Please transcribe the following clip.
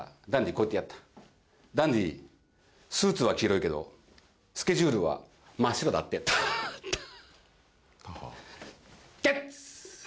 こう言ってやった「ダンディスーツは黄色いけど」「スケジュールは真っ白だ」ってハッゲッツ！